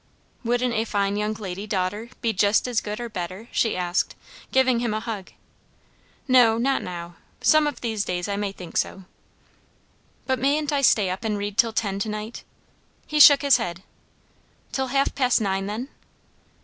"Wouldn't a fine young lady daughter be just as good or better?" she asked, giving him a hug. "No, not now, some of these days I may think so." "But mayn't I stay up and read till ten to night?" He shook his head. "Till half past nine, then?"